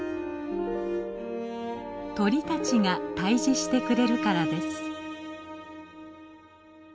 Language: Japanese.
鳥たちが退治してくれるからです。